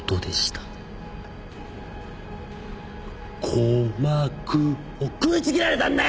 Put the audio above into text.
鼓膜を食いちぎられたんだよ！！